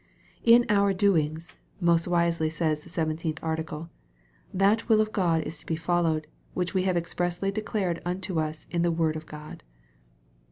" In our doings," most wisely says the seventeenth article, " that will of God is to be followed, which we have expressly declared unto us in the word of God."